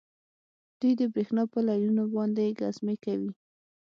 دوی د بریښنا په لینونو باندې ګزمې کوي